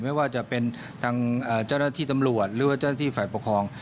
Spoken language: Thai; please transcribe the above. ไม่ว่าจะเป็นทางเจ้าหน้าที่ตำรวจหรือว่าเจ้าหน้าที่ฝ่ายปกครอง